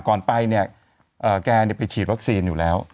ก่อนไปเนี่ยแกไปฉีดวัคซีนอยู่แล้ว